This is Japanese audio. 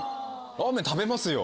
ラーメン食べますよ。